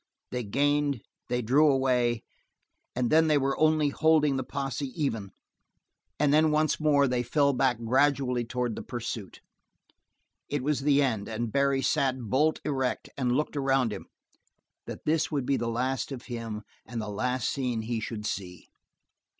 They gained; they drew away; and then they were only holding the posse even, and then once more, they fell back gradually toward the pursuit. It was the end, and Barry sat bolt erect and looked around him; that would be the last of him and the last scene he should see.